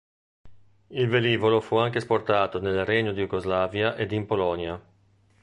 Il velivolo fu anche esportato nel Regno di Jugoslavia ed in Polonia.